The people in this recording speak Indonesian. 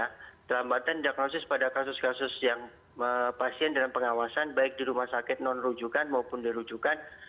keterlambatan diagnosis pada kasus kasus yang pasien dalam pengawasan baik di rumah sakit non rujukan maupun di rujukan